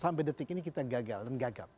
sampai detik ini kita gagal dan gagal